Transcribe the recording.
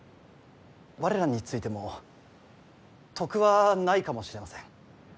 我らについても得はないかもしれません。